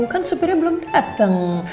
kan supirnya belum dateng